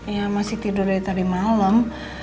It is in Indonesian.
ya masih tidur dari tadi malam